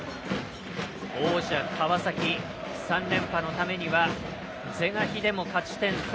王者・川崎３連覇のためには是が非でも勝ち点３。